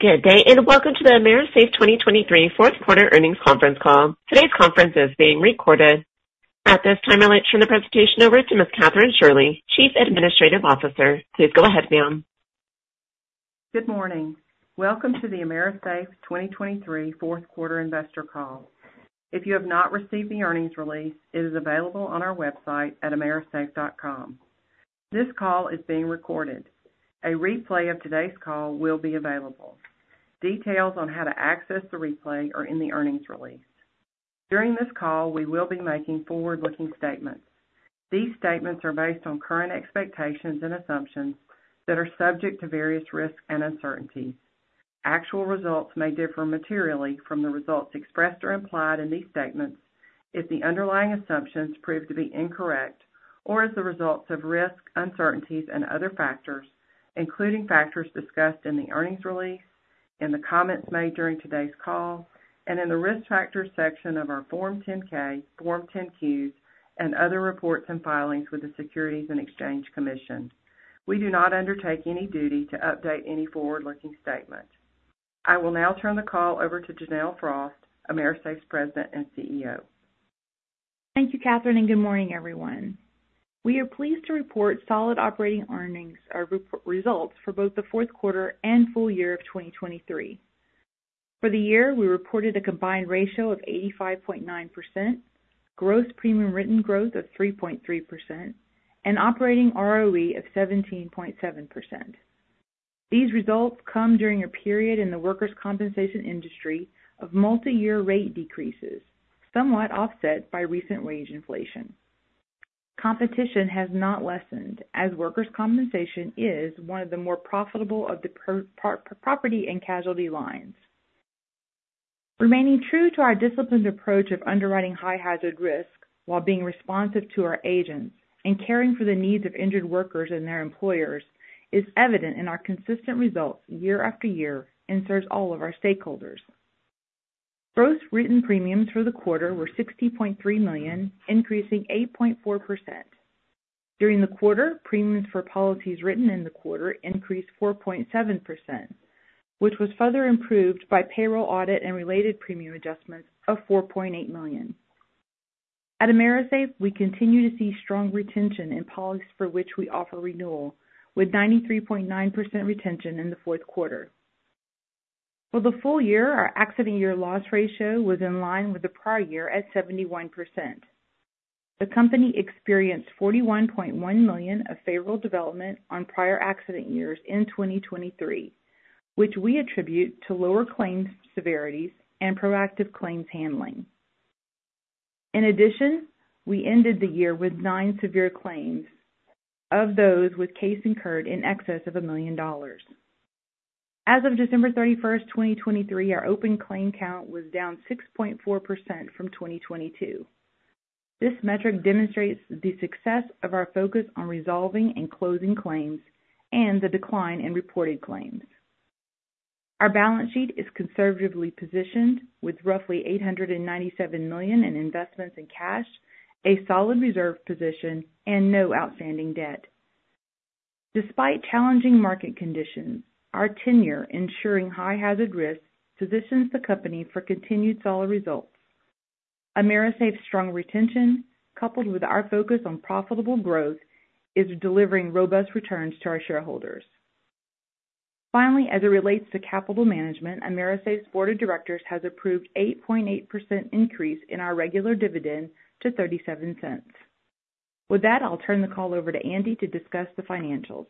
Good day, and welcome to the AMERISAFE 2023 fourth quarter earnings conference call. Today's conference is being recorded. At this time, I'd like to turn the presentation over to Ms. Kathryn Shirley, Chief Administrative Officer. Please go ahead, ma'am. Good morning. Welcome to the AMERISAFE 2023 fourth quarter investor call. If you have not received the earnings release, it is available on our website at amerisafe.com. This call is being recorded. A replay of today's call will be available. Details on how to access the replay are in the earnings release. During this call, we will be making forward-looking statements. These statements are based on current expectations and assumptions that are subject to various risks and uncertainties. Actual results may differ materially from the results expressed or implied in these segments if the underlying assumptions prove to be incorrect or as a result of risks, uncertainties, and other factors, including factors discussed in the earnings release, in the comments made during today's call, and in the Risk Factors section of our Form 10-K, Form 10-Qs, and other reports and filings with the Securities and Exchange Commission. We do not undertake any duty to update any forward-looking statement. I will now turn the call over to Janelle Frost, AMERISAFE's President and CEO. Thank you, Kathryn, and good morning, everyone. We are pleased to report solid operating earnings results for both the fourth quarter and full year of 2023. For the year, we reported a combined ratio of 85.9%, gross premium written growth of 3.3%, and operating ROE of 17.7%. These results come during a period in the workers' compensation industry of multiyear rate decreases, somewhat offset by recent wage inflation. Competition has not lessened, as workers' compensation is one of the more profitable of the property and casualty lines. Remaining true to our disciplined approach of underwriting high hazard risk while being responsive to our agents and caring for the needs of injured workers and their employers, is evident in our consistent results year after year and serves all of our stakeholders. Gross written premiums for the quarter were $60.3 million, increasing 8.4%. During the quarter, premiums for policies written in the quarter increased 4.7%, which was further improved by payroll audit and related premium adjustments of $4.8 million. At AMERISAFE, we continue to see strong retention in policies for which we offer renewal, with 93.9% retention in the fourth quarter. For the full year, our accident year loss ratio was in line with the prior year at 71%. The company experienced $41.1 million of favorable development on prior accident years in 2023, which we attribute to lower claims severities and proactive claims handling. In addition, we ended the year with nine severe claims, of those with case incurred in excess of a million dollar. As of December 31, 2023, our open claim count was down 6.4% from 2022. This metric demonstrates the success of our focus on resolving and closing claims and the decline in reported claims. Our balance sheet is conservatively positioned with roughly $897 million in investments in cash, a solid reserve position, and no outstanding debt. Despite challenging market conditions, our tenure insuring high hazard risk positions the company for continued solid results. AMERISAFE's strong retention, coupled with our focus on profitable growth, is delivering robust returns to our shareholders. Finally, as it relates to capital management, AMERISAFE's board of directors has approved 8.8% increase in our regular dividend to $0.37. With that, I'll turn the call over to Andy to discuss the financials.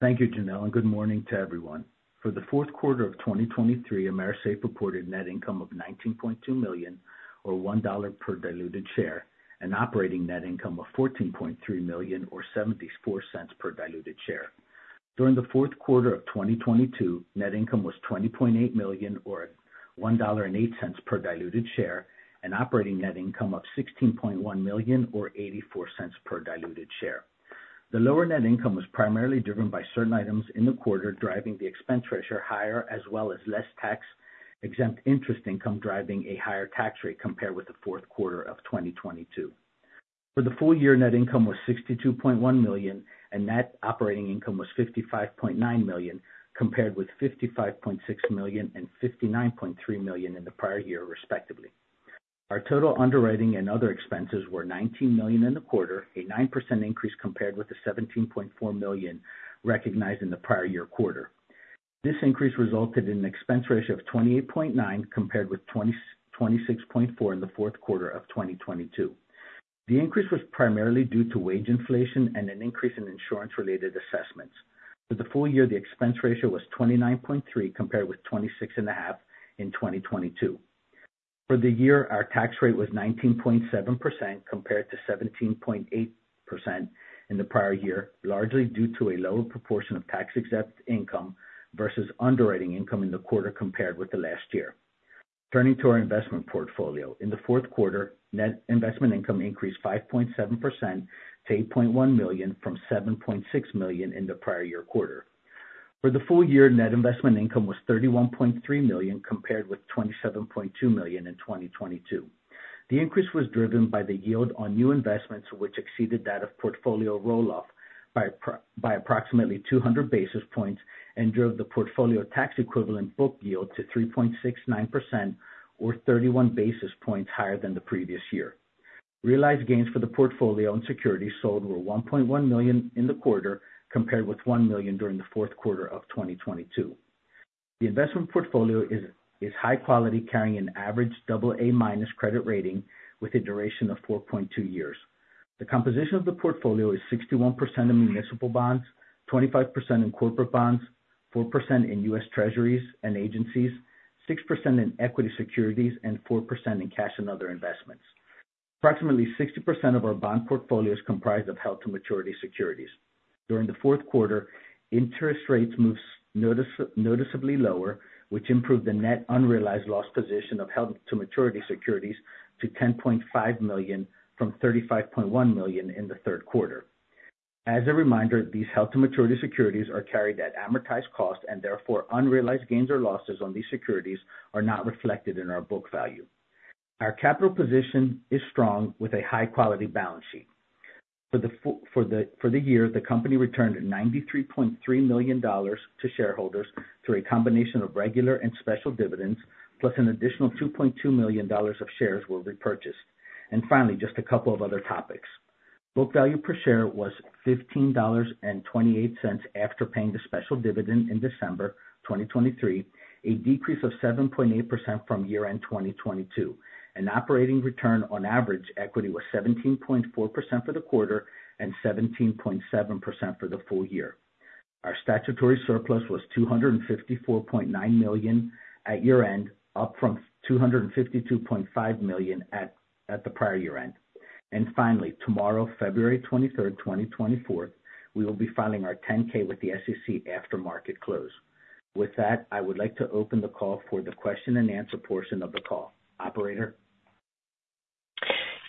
Thank you, Janelle, and good morning to everyone. For the fourth quarter of 2023, AMERISAFE reported net income of $19.2 million, or $1 per diluted share, and operating net income of $14.3 million, or $0.74 per diluted share. During the fourth quarter of 2022, net income was $20.8 million, or $1.08 per diluted share, and operating net income of $16.1 million, or $0.84 per diluted share. The lower net income was primarily driven by certain items in the quarter, driving the expense ratio higher, as well as less tax-exempt interest income, driving a higher tax rate compared with the fourth quarter of 2022. For the full year, net income was $62.1 million, and net operating income was $55.9 million, compared with $55.6 million and $59.3 million in the prior year, respectively. Our total underwriting and other expenses were $19 million in the quarter, a 9% increase compared with the $17.4 million recognized in the prior year quarter. This increase resulted in an expense ratio of 28.9%, compared with 26.4% in the fourth quarter of 2022. The increase was primarily due to wage inflation and an increase in insurance-related assessments. For the full year, the expense ratio was 29.3%, compared with 26.5% in 2022. For the year, our tax rate was 19.7%, compared to 17.8% in the prior year, largely due to a lower proportion of tax-exempt income versus underwriting income in the quarter compared with the last year. Turning to our investment portfolio. In the fourth quarter, net investment income increased 5.7% to $8.1 million from $7.6 million in the prior year quarter. For the full year, net investment income was $31.3 million, compared with $27.2 million in 2022. The increase was driven by the yield on new investments, which exceeded that of portfolio roll-off by approximately 200 basis points and drove the portfolio tax-equivalent book yield to 3.69% or 31 basis points higher than the previous year. Realized gains for the portfolio and securities sold were $1.1 million in the quarter, compared with $1 million during the fourth quarter of 2022. The investment portfolio is high quality, carrying an average AA- credit rating with a duration of 4.2 years. The composition of the portfolio is 61% in municipal bonds, 25% in corporate bonds, 4% in U.S. Treasuries and agencies, 6% in equity securities, and 4% in cash and other investments. Approximately 60% of our bond portfolio is comprised of held-to-maturity securities. During the fourth quarter, interest rates moved noticeably lower, which improved the net unrealized loss position of held-to-maturity securities to $10.5 million from $35.1 million in the third quarter. As a reminder, these held-to-maturity securities are carried at amortized cost, and therefore unrealized gains or losses on these securities are not reflected in our book value. Our capital position is strong, with a high-quality balance sheet. For the year, the company returned $93.3 million to shareholders through a combination of regular and special dividends, plus an additional $2.2 million of shares were repurchased. Finally, just a couple of other topics. Book value per share was $15.28 after paying the special dividend in December 2023, a decrease of 7.8% from year-end 2022. An operating return on average equity was 17.4% for the quarter and 17.7% for the full year. Our statutory surplus was $254.9 million at year-end, up from $252.5 million at the prior year-end. And finally, tomorrow, February 23rd, 2024, we will be filing our 10-K with the SEC after market close. With that, I would like to open the call for the question and answer portion of the call. Operator?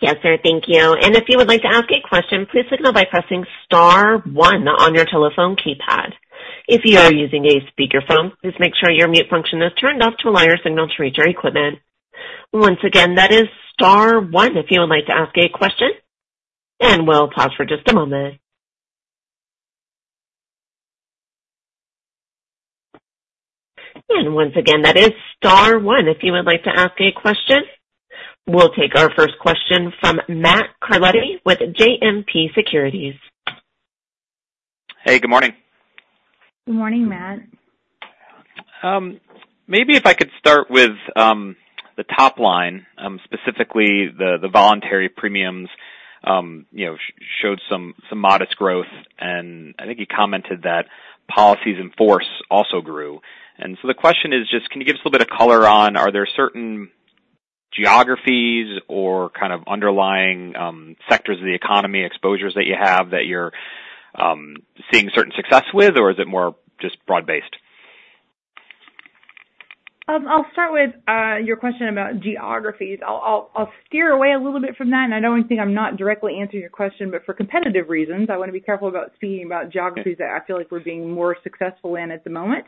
Yes, sir. Thank you. And if you would like to ask a question, please signal by pressing star one on your telephone keypad. If you are using a speakerphone, please make sure your mute function is turned off to allow your signal to reach our equipment. Once again, that is star one if you would like to ask a question, and we'll pause for just a moment. And once again, that is star one if you would like to ask a question. We'll take our first question from Matt Carletti with JMP Securities. Hey, good morning. Good morning, Matt. Maybe if I could start with the top line, specifically the voluntary premiums, you know, showed some modest growth, and I think you commented that policies in force also grew. And so the question is just, can you give us a little bit of color on, are there certain geographies or kind of underlying sectors of the economy exposures that you have that you're seeing certain success with, or is it more just broad-based? I'll start with your question about geographies. I'll steer away a little bit from that, and I don't think I'm not directly answering your question, but for competitive reasons, I want to be careful about speaking about geographies that I feel like we're being more successful in at the moment.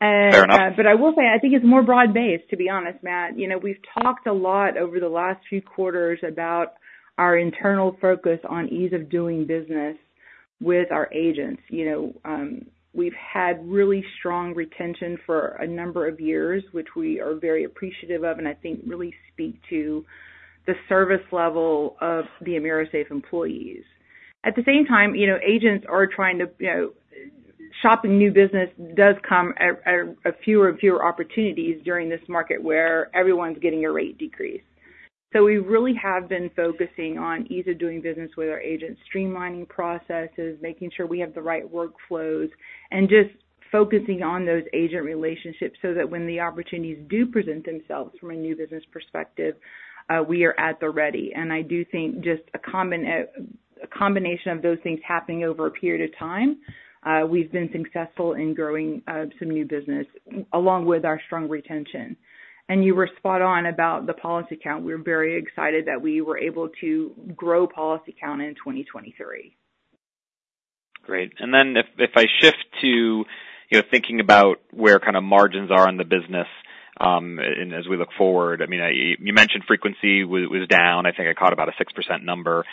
Fair enough. But I will say I think it's more broad-based, to be honest, Matt. You know, we've talked a lot over the last few quarters about our internal focus on ease of doing business with our agents. You know, we've had really strong retention for a number of years, which we are very appreciative of and I think really speak to the service level of the AMERISAFE employees. At the same time, you know, agents are trying to, you know, shop new business, which does come at fewer and fewer opportunities during this market where everyone's getting a rate decrease. We really have been focusing on ease of doing business with our agents, streamlining processes, making sure we have the right workflows, and just focusing on those agent relationships so that when the opportunities do present themselves from a new business perspective, we are at the ready. I do think just a combination of those things happening over a period of time, we've been successful in growing some new business, along with our strong retention. You were spot on about the policy count. We're very excited that we were able to grow policy count in 2023. Great. And then if I shift to, you know, thinking about where kind of margins are on the business, and as we look forward, I mean, you mentioned frequency was down. I think I caught about a 6% number.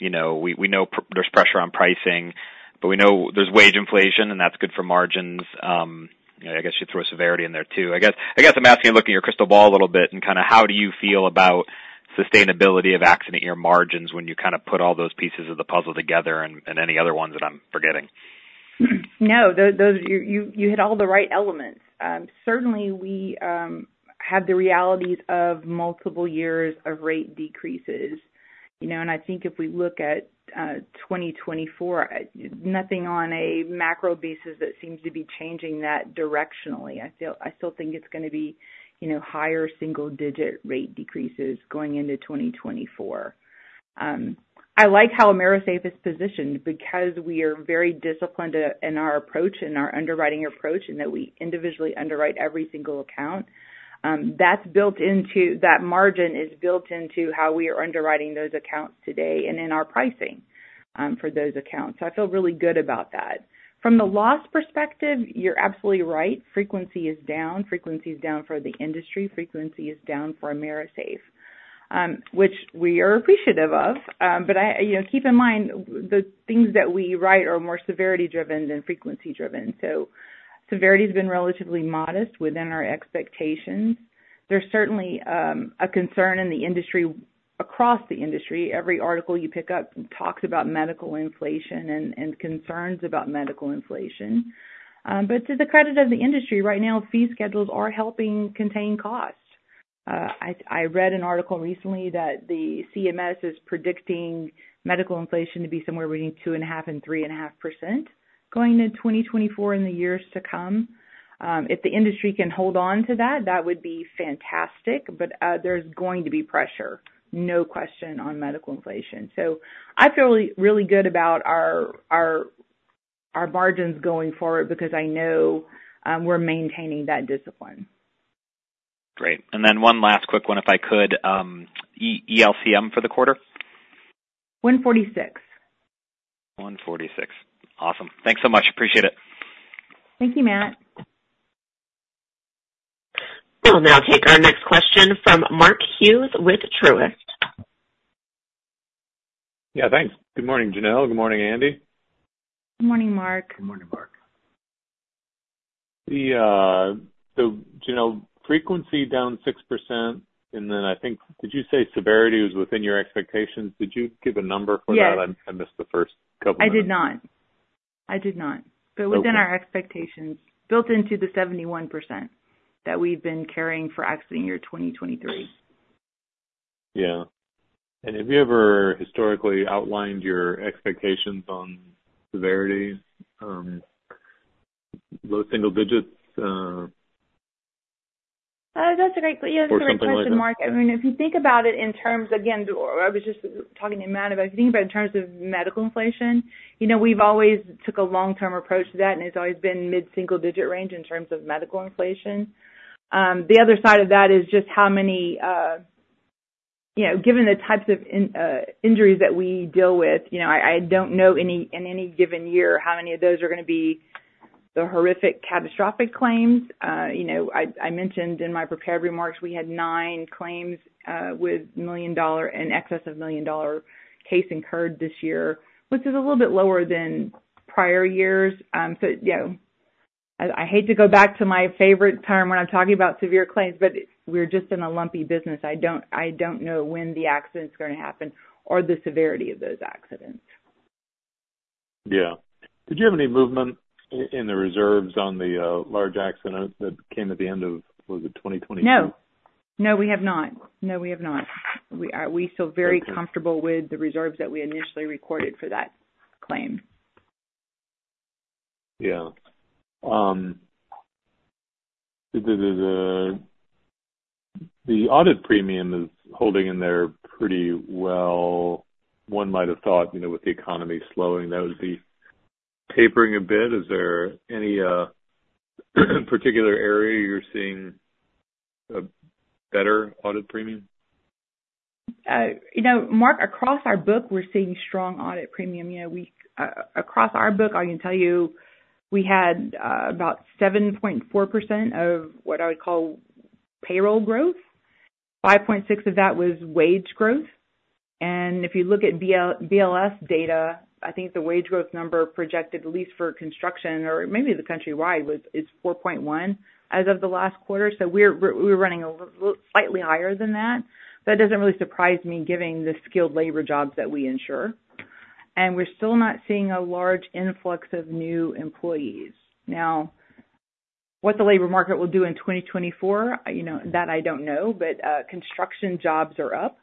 You know, we know there's pressure on pricing, but we know there's wage inflation, and that's good for margins. I guess you'd throw severity in there, too. I guess I'm asking you to look in your crystal ball a little bit and kind of how do you feel about sustainability of accident year margins when you kind of put all those pieces of the puzzle together and any other ones that I'm forgetting? No, those. You hit all the right elements. Certainly we have the realities of multiple years of rate decreases. You know, and I think if we look at 2024, nothing on a macro basis that seems to be changing that directionally. I still think it's gonna be, you know, higher single digit rate decreases going into 2024. I like how AMERISAFE is positioned because we are very disciplined in our approach, in our underwriting approach, and that we individually underwrite every single account. That margin is built into how we are underwriting those accounts today and in our pricing. For those accounts. So I feel really good about that. From the loss perspective, you're absolutely right. Frequency is down, frequency is down for the industry, frequency is down for AMERISAFE, which we are appreciative of. But I, you know, keep in mind, the things that we write are more severity-driven than frequency-driven. So severity has been relatively modest within our expectations. There's certainly a concern in the industry, across the industry. Every article you pick up talks about medical inflation and concerns about medical inflation. But to the credit of the industry, right now, fee schedules are helping contain costs. I read an article recently that the CMS is predicting medical inflation to be somewhere between 2.5% and 3.5%, going to 2024 in the years to come. If the industry can hold on to that, that would be fantastic, but there's going to be pressure, no question, on medical inflation. So I feel really good about our margins going forward because I know we're maintaining that discipline. Great. And then one last quick one, if I could. ELCM for the quarter? 1.46. 1.46. Awesome. Thanks so much. Appreciate it. Thank you, Matt. We'll now take our next question from Mark Hughes with Truist. Yeah, thanks. Good morning, Janelle. Good morning, Andy. Good morning, Mark. Good morning, Mark. So Janelle, frequency down 6%, and then I think, did you say severity was within your expectations? Did you give a number for that? Yes. I missed the first couple. I did not. I did not. Okay. But within our expectations, built into the 71% that we've been carrying for Accident Year 2023. Yeah. And have you ever historically outlined your expectations on severity, low single digits? That's a great que. Or something like that. Yeah, that's a great question, Mark. I mean, if you think about it in terms, again, I was just talking to Matt about, if you think about in terms of medical inflation, you know, we've always took a long-term approach to that, and it's always been mid-single digit range in terms of medical inflation. The other side of that is just how many, you know, given the types of injuries that we deal with, you know, I don't know in any given year, how many of those are gonna be the horrific, catastrophic claims. You know, I mentioned in my prepared remarks, we had nine claims with million dollar, in excess of million dollar case incurred this year, which is a little bit lower than prior years. So, you know, I hate to go back to my favorite term when I'm talking about severe claims, but we're just in a lumpy business. I don't know when the accident is gonna happen or the severity of those accidents. Yeah. Did you have any movement in the reserves on the large accident that came at the end of, was it 2022? No. No, we have not. No, we have not. We feel very. Okay. Comfortable with the reserves that we initially recorded for that claim. Yeah. The audit premium is holding in there pretty well. One might have thought, you know, with the economy slowing, that would be tapering a bit. Is there any particular area you're seeing a better audit premium? You know, Mark, across our book, we're seeing strong audit premium. You know, we, across our book, I can tell you, we had, about 7.4% of what I would call payroll growth. 5.6 of that was wage growth. And if you look at BLS data, I think the wage growth number projected, at least for construction or maybe the countrywide, was, is 4.1 as of the last quarter. So we're, we're running slightly higher than that. That doesn't really surprise me, given the skilled labor jobs that we insure. And we're still not seeing a large influx of new employees. Now, what the labor market will do in 2024, you know, that I don't know. But, construction jobs are up,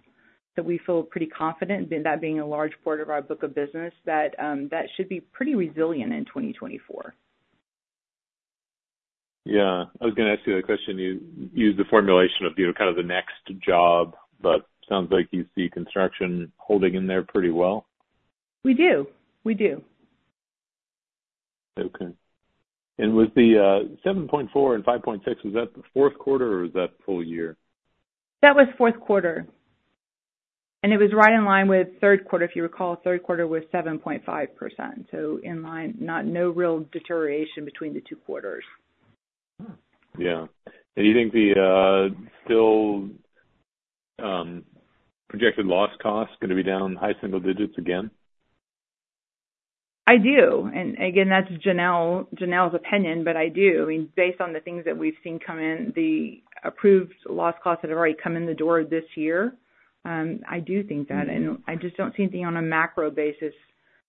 so we feel pretty confident, that being a large part of our book of business, that, that should be pretty resilient in 2024. Yeah. I was gonna ask you that question. You used the formulation of, you know, kind of the next job, but sounds like you see construction holding in there pretty well. We do. We do. Okay. And with the, 7.4 and 5.6, was that the fourth quarter, or was that full year? That was fourth quarter, and it was right in line with third quarter. If you recall, third quarter was 7.5%, so in line, no real deterioration between the two quarters. Yeah. And you think the still projected loss cost is gonna be down high single digits again? I do. And again, that's Janelle, Janelle's opinion, but I do. I mean, based on the things that we've seen come in, the approved loss costs that have already come in the door this year, I do think that. Mm-hmm. I just don't see anything on a macro basis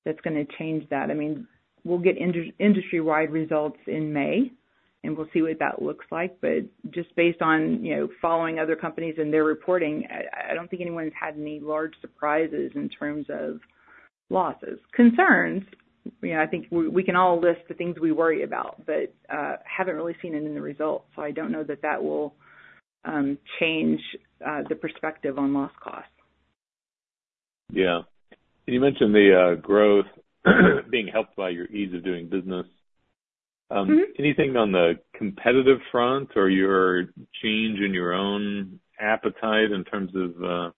that's gonna change that. I mean, we'll get industry-wide results in May, and we'll see what that looks like. But just based on, you know, following other companies and their reporting, I don't think anyone's had any large surprises in terms of losses. Concerns, you know, I think we can all list the things we worry about but haven't really seen it in the results, so I don't know that that will change the perspective on loss costs. Yeah. You mentioned the growth being helped by your ease of doing business. Anything on the competitive front or your change in your own appetite in terms of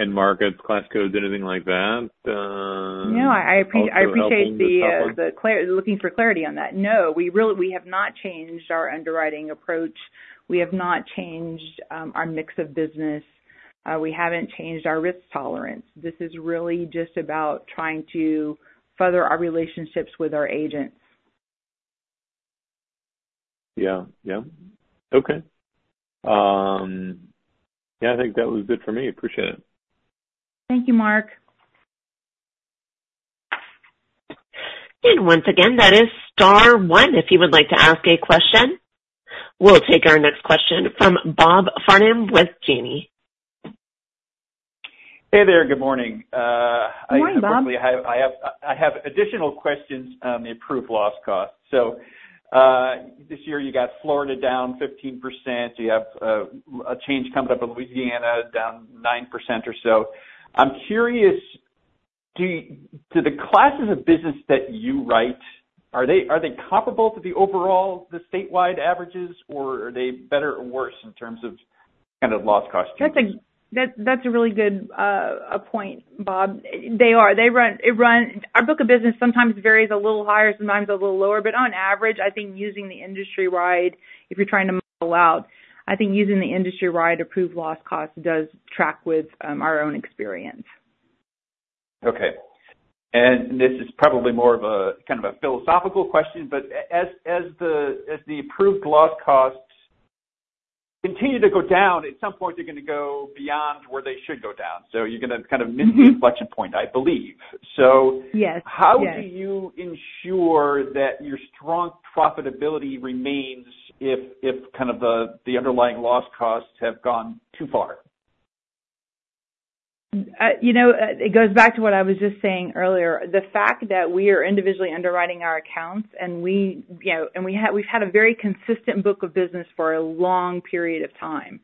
end markets, class codes, anything like that? No, I appreciate the clarity on that. No, we really have not changed our underwriting approach. We have not changed our mix of business. We haven't changed our risk tolerance. This is really just about trying to further our relationships with our agents. Yeah. Yeah. Okay. Yeah, I think that was it for me. Appreciate it. Thank you, Mark. Once again, that is star one, if you would like to ask a question. We'll take our next question from Bob Farnam with Janney. Hey there. Good morning. Good morning, Bob. I have additional questions on the approved loss cost. So, this year you got Florida down 15%. You have a change coming up in Louisiana, down 9% or so. I'm curious, do the classes of business that you write are they comparable to the overall, the statewide averages, or are they better or worse in terms of kind of loss costs? That's a really good point, Bob. They are. Our book of business sometimes varies a little higher, sometimes a little lower, but on average, I think using the industry-wide, if you're trying to model out, I think using the industry-wide approved loss cost does track with our own experience. Okay. And this is probably more of a kind of a philosophical question, but as the approved loss costs continue to go down, at some point, they're going to go beyond where they should go down. So you're going to kind of. Mm-hmm Reach an inflection point, I believe. So. Yes, yes. How do you ensure that your strong profitability remains if kind of the underlying loss costs have gone too far? You know, it goes back to what I was just saying earlier. The fact that we are individually underwriting our accounts, and we, you know, and we have, we've had a very consistent book of business for a long period of time.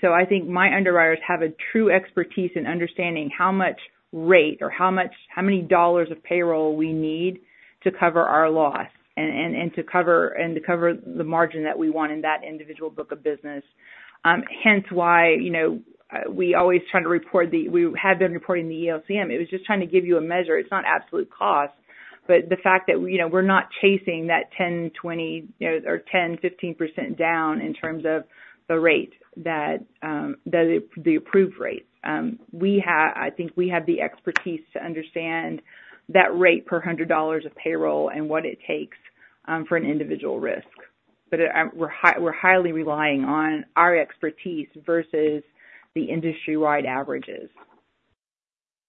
So I think my underwriters have a true expertise in understanding how much rate or how much, how many dollars of payroll we need to cover our loss and to cover the margin that we want in that individual book of business. Hence why, you know, we always try to report the. We have been reporting the ELCM. It was just trying to give you a measure. It's not absolute cost, but the fact that, you know, we're not chasing that 10%, 20%, you know, or 10%, 15% down in terms of the rate that the approved rate. We have, I think we have the expertise to understand that rate per $100 of payroll and what it takes for an individual risk. But we're highly relying on our expertise versus the industry-wide averages.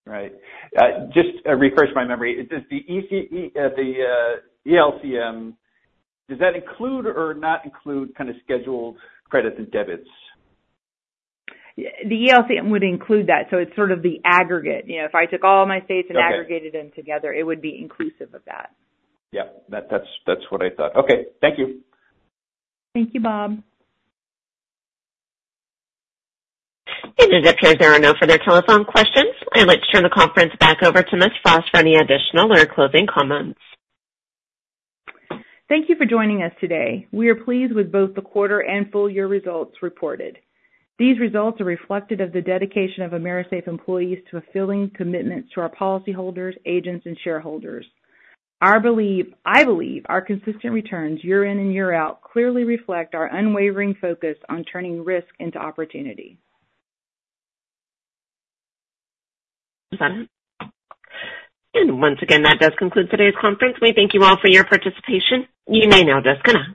Right. Just refresh my memory. Does the ELCM include or not include kind of scheduled credits and debits? The ELCM would include that, so it's sort of the aggregate. You know, if I took all my states. Okay. And aggregated them together, it would be inclusive of that. Yep, that's what I thought. Okay. Thank you. Thank you, Bob. If there are no further telephone questions, I'd like to turn the conference back over to Ms. Frost for any additional or closing comments. Thank you for joining us today. We are pleased with both the quarter and full year results reported. These results are reflected of the dedication of AMERISAFE employees to fulfilling commitments to our policyholders, agents, and shareholders. Our belief, I believe our consistent returns year in and year out clearly reflect our unwavering focus on turning risk into opportunity. Once again, that does conclude today's conference. We thank you all for your participation. You may now disconnect.